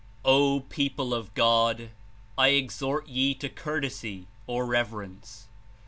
"O people of God! I exhort ye to Courtesy (or Reverence).